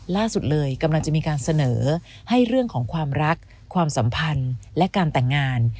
ล่าสุดเลยกำลังจะมีการเสนอให้เรื่องของความรักความสัมพันธ์และการแต่งงาน